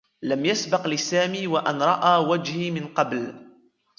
لم يسبق لسامي و أن رأى وجهي من قبل.